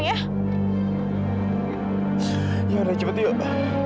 yaudah cepet yuk